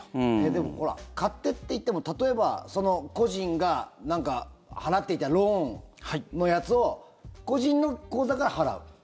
でも、勝手っていっても例えばその故人が払っていたローンのやつを故人の口座から払う。